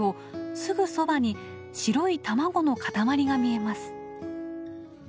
すぐそばに白い卵の塊が見えます。